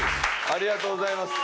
ありがとうございます。